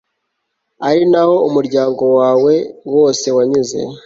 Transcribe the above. ari na ho umuryango wawe wose wanyuze